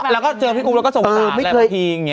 แล้วก็เจอพี่อุ๊ปแล้วก็สงสารแหลมคิง